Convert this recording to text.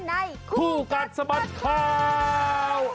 คู่กัดสะบัดข่าว